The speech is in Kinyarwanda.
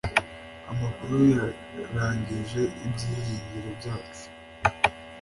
Amakuru yarangije ibyiringiro byacu.